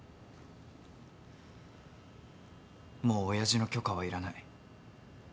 もう親父の許可はいらない。